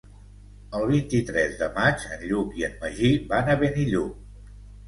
El vint-i-tres de maig en Lluc i en Magí van a Benillup.